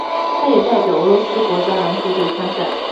他也代表俄罗斯国家篮球队参赛。